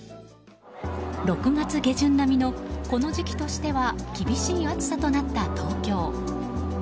６月下旬並みのこの時期としては厳しい暑さとなった東京。